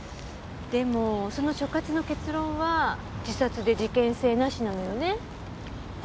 でもその所轄の結論は自殺で事件性なしなのよね。